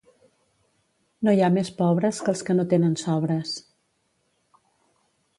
No hi ha més pobres que els que no tenen sobres.